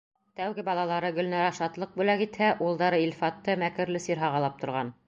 Тәүге балалары Гөлнара шатлыҡ бүләк итһә, улдары Илфатты мәкерле сир һағалап торған.